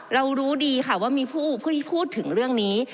เรารู้ดีค่ะว่ามีผู้ที่พูดถึงเรื่องนี้